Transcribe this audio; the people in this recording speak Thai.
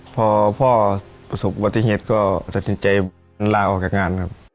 พอพ่อประสบวัติเหตุก็ตัดสินใจลาออกจากงานครับ